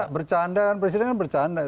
kan itu bercanda kan presiden kan bercanda